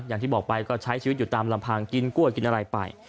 อย่างที่บอกไปก็ใช้ชีวิตอยู่ตามลำพังกินกล้วยกินอะไรไป